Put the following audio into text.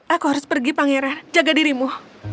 aku harus pergi pangeran jaga dirimu